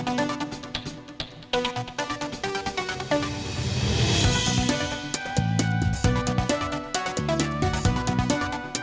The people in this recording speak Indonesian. balikin sampai ke